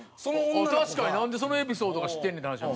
確かになんでそのエピソード知ってんねんって話やな。